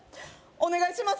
お願いします！